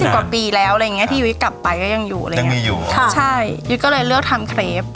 ๒๐กว่าปีแล้วที่ยุ้ยกลับไปก็ยังอยู่ยุ้ยก็เลยเลือกทำเคฟ